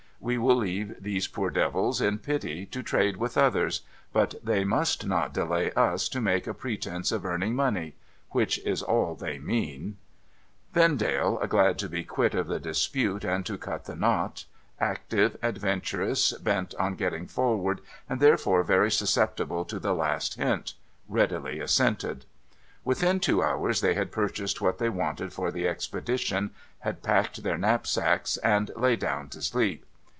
We will leave these poor devils, in pity, to trade with others ; but they must not delay us to make a pretence of earning money. Which is all they mean,' Vendale, glad to be quit of the dispute, and to cut the knot : active, adventurous, bent on getting forward, and therefore very susceptible to the last hint : readily assented. Within two hours, they had purchased what they wanted for the expedition, had packed their knapsacks, and lay down to sleep.